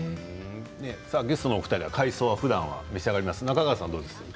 ゲストのお二人は海藻を召し上がりますか？